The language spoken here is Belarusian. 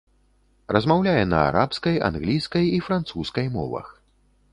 Размаўляе на арабскай, англійскай і французскай мовах.